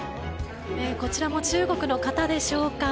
こちらも中国の方でしょうか。